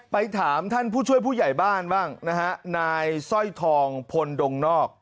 ไปถามท่านผู้ช่วยผู้ใหญ่บ้านบ้างนะฮะนายสร้อยทองพลดงนอก